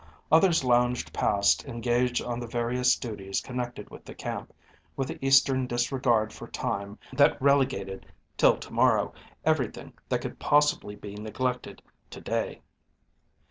Others lounged past engaged on the various duties connected with the camp, with the Eastern disregard for time that relegated till to morrow everything that could possibly be neglected to day.